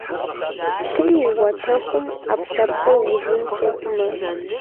Лъым и уатэхум Ӏэпкълъэпкъыр узым щехъумэ.